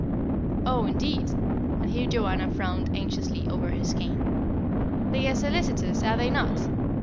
"Oh, indeed" and here Joanna frowned anxiously over her skein. "They are solicitors, are they not?"